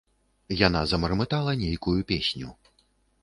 Яна замармытала нейкую песню.